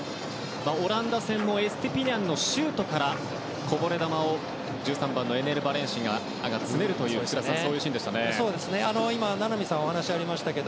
オランダ戦もエストゥピニャンのシュートからこぼれ球を１３番、エネル・バレンシアが詰めるというシーンでしたね。